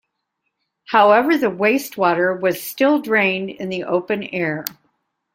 However the wastewater was still drained in the open air.